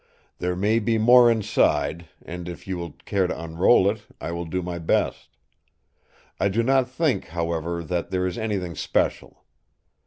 There may be more inside; and if you will care to unroll it, I will do my best. I do not think, however, that there is anything special.